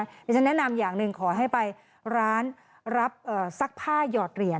เดี๋ยวฉันแนะนำอย่างหนึ่งขอให้ไปร้านรับซักผ้าหยอดเหรียญ